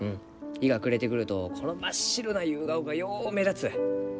日が暮れてくるとこの真っ白なユウガオがよう目立つ。